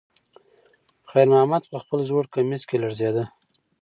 خیر محمد په خپل زوړ کمیس کې لړزېده.